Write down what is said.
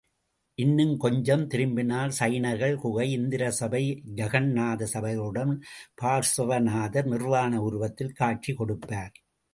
இன்னும் கொஞ்சம் திரும்பினால் ஜைனர்கள் குகை, இந்திரசபை ஜகந்நாத சபைகளுடன் பார்ஸவநாதர் நிர்வாண உருவத்தில் காட்சி கொடுப்பார்.